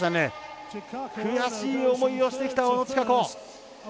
悔しい思いをしてきた小野智華子。